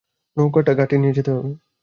নৌকাটা ঘাটে নিয়ে যেতে হবে।